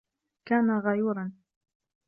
كان غيورا.